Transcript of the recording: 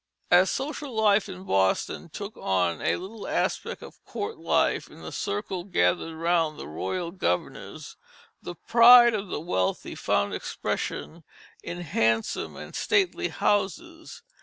As social life in Boston took on a little aspect of court life in the circle gathered around the royal governors, the pride of the wealthy found expression in handsome and stately houses.